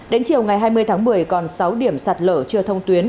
đến chiều ngày hai mươi tháng một mươi còn sáu điểm sạt lở chưa thông tuyến